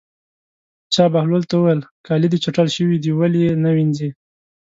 چا بهلول ته وویل: کالي دې چټل شوي دي ولې یې نه وینځې.